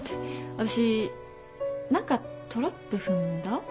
私何かトラップ踏んだ？